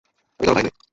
আমি কারো ভাই নই।